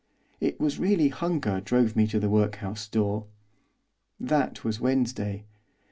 It was really hunger which drove me to the workhouse door. That was Wednesday.